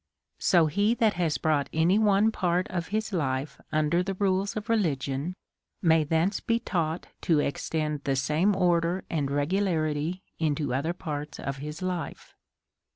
So he that has brought any one part of his life un der the rules of religion, may thence be taught to ex tend the same order and regularity into other parts of his life.